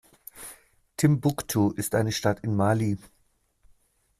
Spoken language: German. Timbuktu ist eine Stadt in Mali.